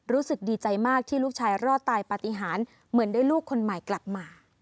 รู้สึกดีใจมากที่ลูกชายรอดตายปฏิหารเหมือนได้ลูกคนใหม่กลับมา